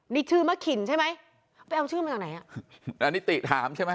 นี่ชื่อมะขินใช่ไหมไปเอาชื่อมาจากไหนอ่ะอันนี้ติถามใช่ไหม